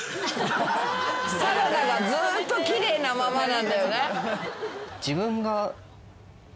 サラダがずっと奇麗なままなんだよね。